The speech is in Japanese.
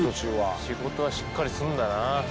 仕事はしっかりすんだな。